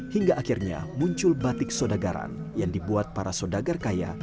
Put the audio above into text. hingga akhirnya muncul batik sodagaran yang dibuat para sodagar kaya